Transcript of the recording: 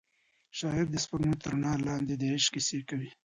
شاعر د سپوږمۍ تر رڼا لاندې د عشق کیسې کوي.